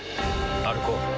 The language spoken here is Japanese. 歩こう。